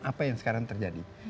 apa yang sekarang terjadi